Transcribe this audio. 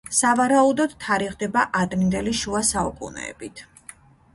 სავარაუდოდ, თარიღდება ადრინდელი შუა საუკუნეებით.